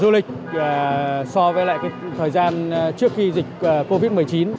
có thể cung cấp thêm tiền tiền của du lịch so với thời gian trước khi dịch covid một mươi chín